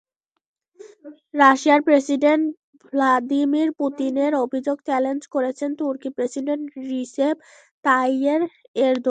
রাশিয়ার president Vladimir পুতিনের অভিযোগ চ্যালেঞ্জ করেছেন তুর্কি প্রেসিডেন্ট রিসেপ তাইয়েপ এরদোয়ান।